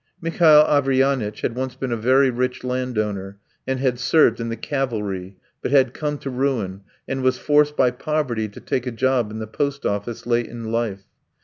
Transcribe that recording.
Mihail Averyanitch had once been a very rich landowner, and had served in the calvary, but had come to ruin, and was forced by poverty to take a job in the post office late in life.